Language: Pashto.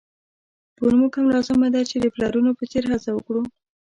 پر موږ هم لازمه ده چې د پلرونو په څېر هڅه وکړو.